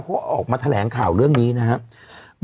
เขาออกมาแถลงข่าวเรื่องนี้นะครับ